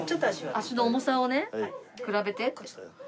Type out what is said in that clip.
足の重さをね比べてって。